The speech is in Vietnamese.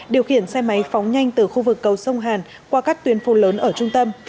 điều khiển xe máy phóng nhanh từ khu vực cầu sông hàn qua các tuyến phố lớn ở trung tâm